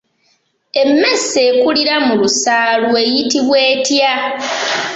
Emmese ekulira mu lusaalu eyitibwa etya?